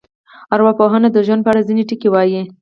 ارواپوهنه د ژوند په اړه ځینې ټکي وایي.